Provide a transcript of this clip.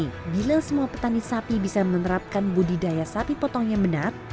tapi bila semua petani sapi bisa menerapkan budidaya sapi potong yang benar